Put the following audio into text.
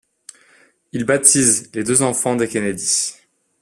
Il baptise les deux enfants des Kennedy.